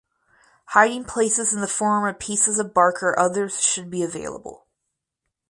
Hiding places in the form of pieces of bark or others should be available.